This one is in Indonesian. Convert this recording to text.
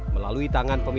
melalui tangan pemijat